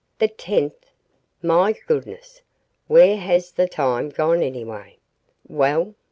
The tenth? My goodness, where has the time gone, anyway? Well?